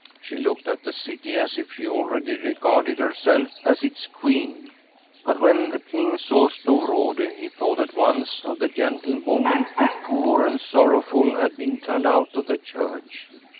She looked at the city as if she already regarded herself as its Queen. But when the King saw Storrade, he thought at once of the gentle woman who, poor and sorrowful, had been turned out of the church.